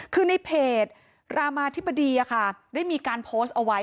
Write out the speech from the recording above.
คือในเพจรามาธิบดีได้มีการโพสต์เอาไว้